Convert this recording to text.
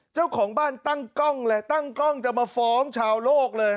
เจ้าของบ้านตั้งกล้องเลยตั้งกล้องจะมาฟ้องชาวโลกเลย